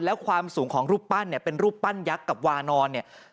แล้วความสูงของรูปปั้นเนี่ยเป็นรูปปั้นยักษ์กับวานอนเนี่ย